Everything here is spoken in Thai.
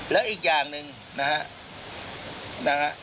แล้วอีกอย่างหนึ่งนะฮะ